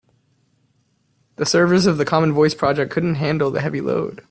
The servers of the common voice project couldn't handle the heavy load.